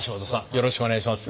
よろしくお願いします。